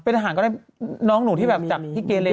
เป็นอาหารก็ได้น้องหนูที่แบบจับที่เกเล